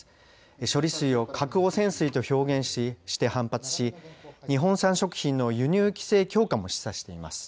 処理水を核汚染水と表現して反発し、日本産食品の輸入規制強化も示唆しています。